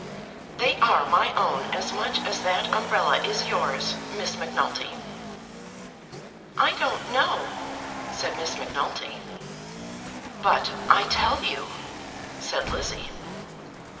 They are my own as much as that umbrella is yours, Miss Macnulty." "I don't know," said Miss Macnulty. "But I tell you," said Lizzie.